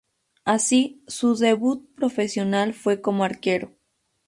Así, su debut profesional fue como arquero.